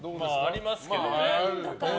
ありますけどね。